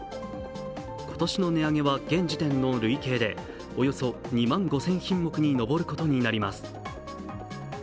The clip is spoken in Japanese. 今年の値上げは現時点の累計でおよそ２万５０００品目に上ることになります。